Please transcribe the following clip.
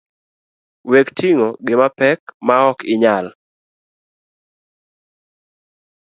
Wekting’o gima pek maok inyal.